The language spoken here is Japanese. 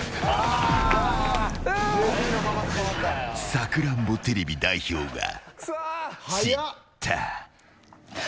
さくらんぼテレビ代表が散った。